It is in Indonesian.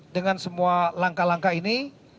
dengan semua langkah langkah ini